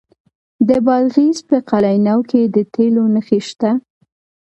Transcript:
د بادغیس په قلعه نو کې د تیلو نښې شته.